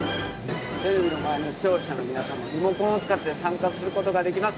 テレビの前の視聴者の皆さんもリモコンを使って参加することができます。